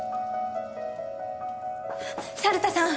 猿田さん。